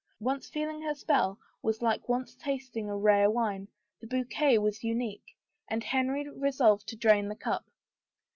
Once feeling her spell was like once tasting a rare wine; the bouquet was unique ... and Henry resolved to drain the cup.